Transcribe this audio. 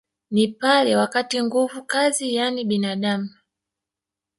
Ni pale wakati nguvu kazi yani binadamu